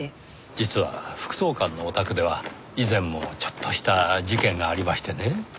実は副総監のお宅では以前もちょっとした事件がありましてねぇ。